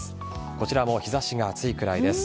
こちらも日差しが暑いくらいです。